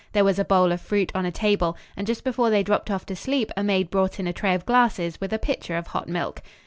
There was a bowl of fruit on a table, and just before they dropped off to sleep a maid brought in a tray of glasses with a pitcher of hot milk.